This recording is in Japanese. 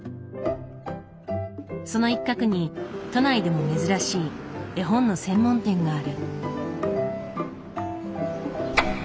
その一角に都内でも珍しい絵本の専門店がある。